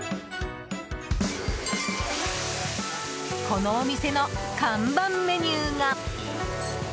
このお店の看板メニューが。